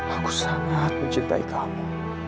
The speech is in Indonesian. aku sangat mencintai kamu